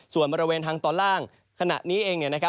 ส่วนบริเวณทางตอนล่างขณะนี้เอง